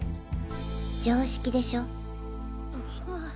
常識でしょ？